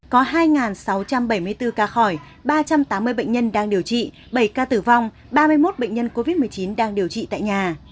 có hai sáu trăm bảy mươi bốn ca khỏi ba trăm tám mươi bệnh nhân đang điều trị bảy ca tử vong ba mươi một bệnh nhân covid một mươi chín đang điều trị tại nhà